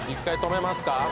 １回止めますか？